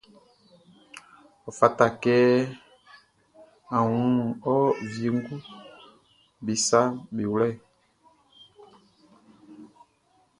Ɔ fata kɛ a wun ɔ wienguʼm be saʼm be wlɛ.